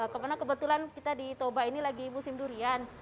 karena kebetulan kita di toba ini lagi musim durian